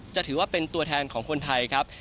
จะถือว่าเป็นตัวแทนของคนไทยครับ